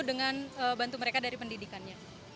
dengan bantu mereka dari pendidikannya